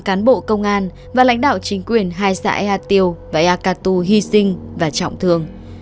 tám cán bộ công an và lãnh đạo chính quyền hai xã ea tiêu và ea cà tu hy sinh và trọng thương